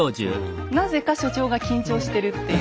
なぜか所長が緊張してるっていう。